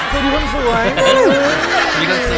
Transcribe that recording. สวดีคนสวย